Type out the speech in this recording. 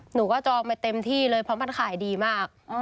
หนูก็จองไปเต็มที่เลยเพราะมันขายดีมาก